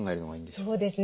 そうですね。